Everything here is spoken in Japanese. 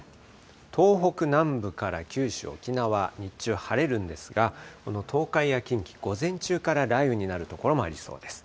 東北南部から九州、沖縄、日中晴れるんですが、この東海や近畿、午前中から雷雨になる所もありそうです。